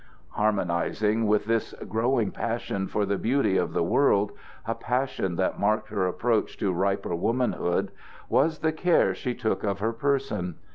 Harmonizing with this growing passion for the beauty of the world a passion that marked her approach to riper womanhood was the care she took of her person.